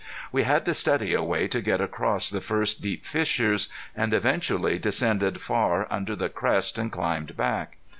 We had to study a way to get across the first deep fissures, and eventually descended far under the crest and climbed back.